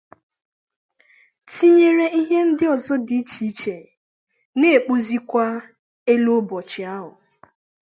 tinyere ihe ndị ọzọ dị iche iche na-ekpozịkwa elu ụbọchị ahụ